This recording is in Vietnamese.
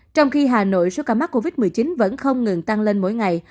trong khi hà nội số ca mắc covid một mươi chín vẫn không ngừng tăng lên mỗi ngày